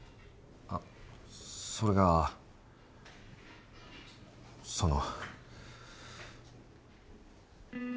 あっそれがその。